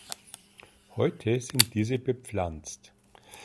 Heute sind diese bepflanzt.